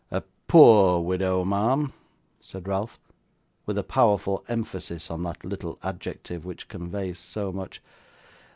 'A POOR widow, ma'am,' said Ralph, with a powerful emphasis on that little adjective which conveys so much.